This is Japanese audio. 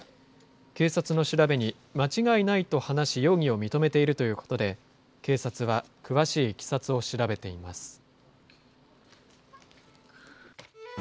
警察の調べに、間違いないと話し、容疑を認めているということで、警察は詳しいいきさつを調べています。